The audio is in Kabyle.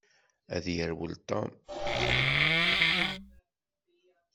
Ad yerwel Tom.